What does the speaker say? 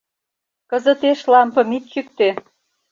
— Кызытеш лампым ит чӱктӧ.